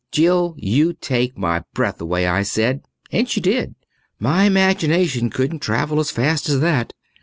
"Jill, you take my breath away," I said, and she did. My imagination couldn't travel as fast as that.